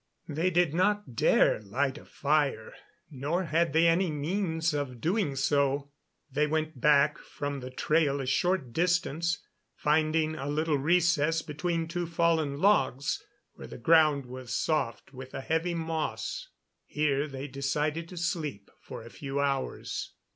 They did not dare light a fire, nor had they any means of doing so. They went back from the trail a short distance, finding a little recess between two fallen logs, where the ground was soft with a heavy moss. Here they decided to sleep for a few hours.